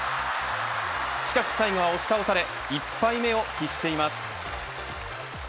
しかし最後は押し倒され１敗目を喫しています。